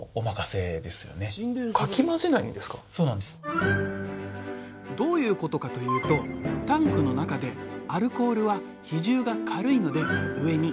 あとはどういうことかというとタンクの中でアルコールは比重が軽いので上に。